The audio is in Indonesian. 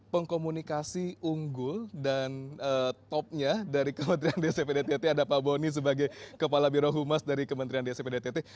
pengkomunikasi unggul dan topnya dari kementerian dsp dtt ada pak boni sebagai kepala birohumas dari kementerian dsp dtt